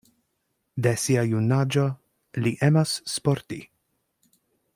De sia junaĝo li emas sporti.